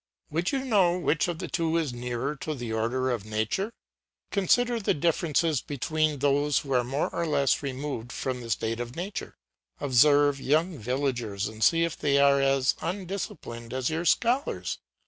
Would you know which of the two is nearer to the order of nature! Consider the differences between those who are more or less removed from a state of nature. Observe young villagers and see if they are as undisciplined as your scholars.